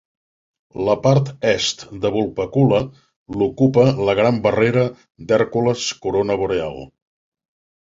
La part est de Vulpecula l'ocupa la gran barrera d'Hèrcules-Corona Boreal.